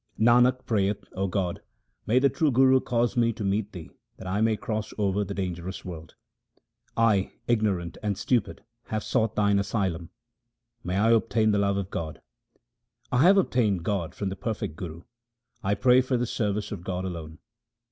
Nanak prayeth, O God, may the true Guru cause me to meet Thee that I may cross over the dangerous world ! I ignorant and stupid have sought Thine asylum ; may I obtain the love of God ! I have obtained God from the perfect Guru ; I pray for the service of God alone.